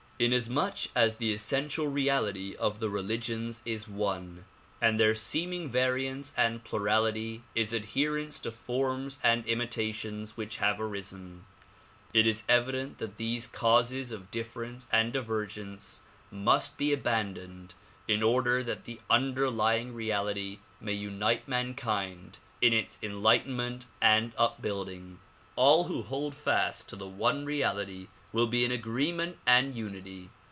Inasmuch as the essential reality of the religions is one and their seeming variance and plurality is adherence to forms and imita tions which have arisen, it is evident that these causes of difference and divergence must be abandoned in order that the underlying reality may unite mankind in its enlightenment and upbuilding. All who hold fast to the one reality will be in agreement and unity.